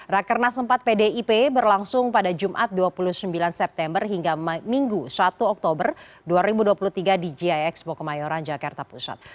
rakernas empat pdip berlangsung pada jumat dua puluh sembilan september hingga minggu satu oktober dua ribu dua puluh tiga di gie expo kemayoran jakarta pusat